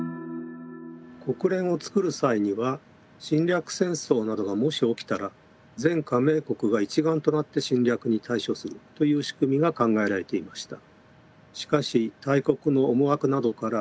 国連をつくる際には侵略戦争などがもし起きたら全加盟国が一丸となって侵略に対処するというしくみが考えられていました。